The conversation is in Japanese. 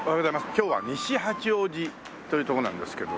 今日は西八王子というとこなんですけど。